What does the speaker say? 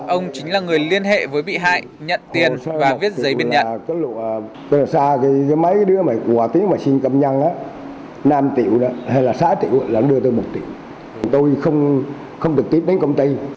ông chính là người liên hệ với bị hại nhận tiền và viết giấy biên nhận